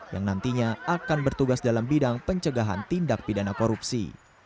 yang nantinya akan bertugas dalam bidang pencegahan tindak pidana korupsi